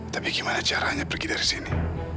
tapi gimana caranya pergi dari sini